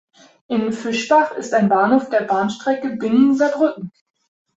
In Fischbach ist ein Bahnhof der Bahnstrecke Bingen–Saarbrücken.